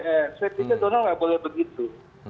dpr tadi tidak boleh begitu